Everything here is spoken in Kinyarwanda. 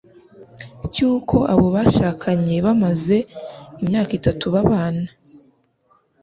cy'uko abo bashakanye bamaze imyaka itatu babana